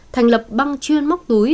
thành lập băng chuyên móc túi